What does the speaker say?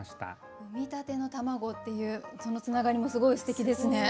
「産みたての卵」っていうそのつながりもすごいすてきですね。